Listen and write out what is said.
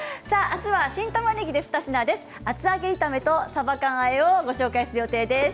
あすは新たまねぎで２品です。